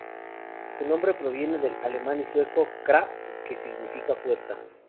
Su nombre proviene del alemán y sueco "Kraft", que significa "fuerza".